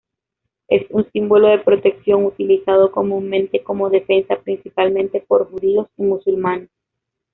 Es un símbolo de protección utilizado comúnmente como defensa, principalmente por judíos y musulmanes.